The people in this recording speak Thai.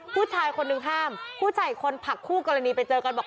ผู้ชายคนนึงห้ามผู้ชายคนผักคู่กรณีไปเจอกันบอก